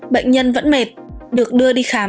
bệnh nhân vẫn mệt được đưa đi khám